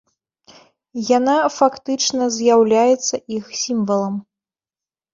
Яна фактычна з'яўляецца іх сімвалам.